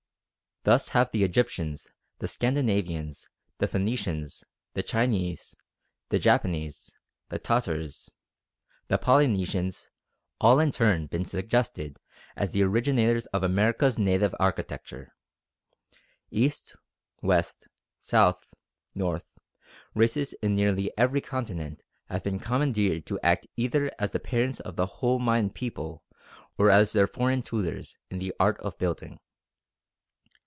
Thus have the Egyptians, the Scandinavians, the Phoenicians, the Chinese, the Japanese, the Tatars, the Polynesians, all in turn been suggested as the originators of America's native architecture; east, west, south, north, races in nearly every continent have been commandeered to act either as the parents of the whole Mayan people or as their foreign tutors in the art of building.